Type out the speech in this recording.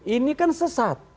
ini kan sesat